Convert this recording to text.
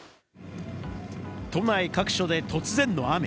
都内各所で突然の雨。